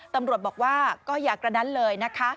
ตำรวจบอกว่าก็อย่ากระนั้นเลยนะคะ